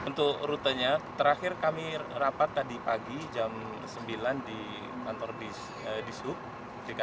untuk rutenya terakhir kami rapat tadi pagi jam sembilan di kantor di sub